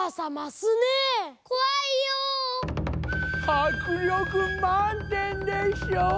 はくりょくまんてんでしょ！